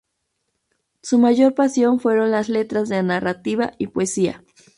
Su mayor pasión fueron las letras, de narrativa y poesía.